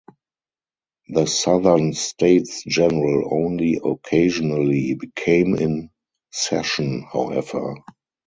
The southern States General only occasionally came in session, however.